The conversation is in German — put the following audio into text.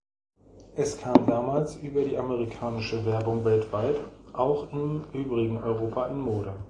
Es kam damals über die amerikanische Werbung weltweit (auch im übrigen Europa) in Mode.